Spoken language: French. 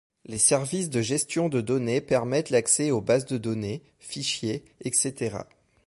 Les services de gestion de données permettent l'accès aux bases de données, fichiers, etc.